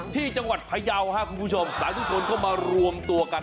ที่จังหวัดพยาวครับคุณผู้ชมสาธุชนเข้ามารวมตัวกัน